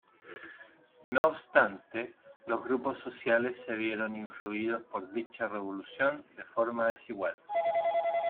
No obstante, los grupos sociales se vieron influidos por dicha revolución de forma desigual.